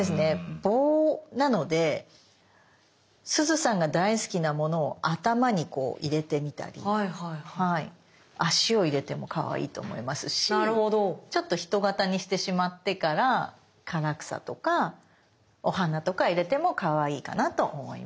棒なのですずさんが大好きなものを頭にこう入れてみたり足を入れてもかわいいと思いますしちょっと人形にしてしまってから唐草とかお花とか入れてもかわいいかなと思います。